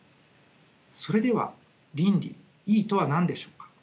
それでは倫理とは何でしょうか。